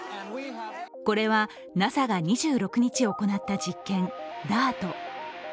これはＮＡＳＡが２６日、行った実験・ＤＡＲＴ。